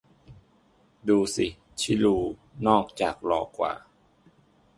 ดูสิ ชิรูด์ นอกจากหล่อกว่า